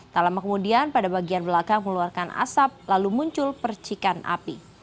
tak lama kemudian pada bagian belakang mengeluarkan asap lalu muncul percikan api